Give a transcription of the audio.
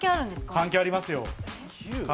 関係ありますよ。